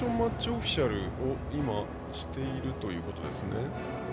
オフィシャルを今、しているということですね。